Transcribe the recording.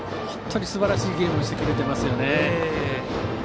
本当にすばらしいゲームしてくれてますよね。